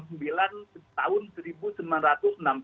itu undang undang nomor sembilan